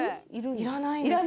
いらないんですよ